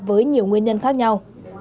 với nhiều nguyên nhân khác nhau